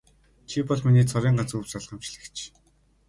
Чи бол миний цорын ганц өв залгамжлагч.